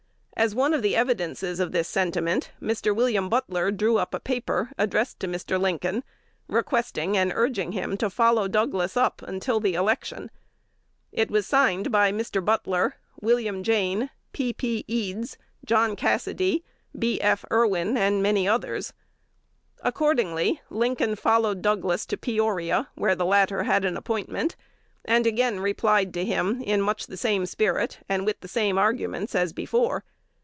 As one of the evidences of this sentiment, Mr. William Butler drew up a paper addressed to Mr. Lincoln, requesting and "urging him to follow Douglas up until the election." It was signed by Mr. Butler, William Jayne, P. P. Eads, John Cassady, B. F. Irwin, and many others. Accordingly, Lincoln "followed" Douglas to Peoria, where the latter had an appointment, and again replied to him, in much the same spirit, and with the same arguments, as before.